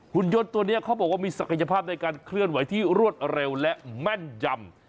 คุณยนต์ตัวนี้เขาบอกว่ามีศักยภาพในการเคลื่อนไหวที่รวดเร็วและแม่นยำ